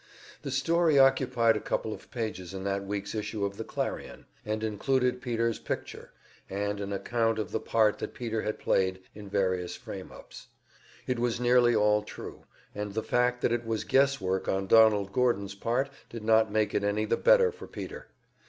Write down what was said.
The story occupied a couple of pages in that week's issue of the "Clarion," and included Peter's picture, and an account of the part that Peter had played in various frame ups. It was nearly all true, and the fact that it was guess work on Donald Gordon's part did not make it any the better for Peter.